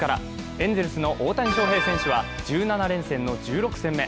エンゼルスの大谷翔平選手は１７連戦の１６戦目。